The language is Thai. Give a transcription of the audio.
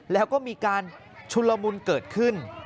แล้วก็มีการชุนละมุนเกิดขึ้น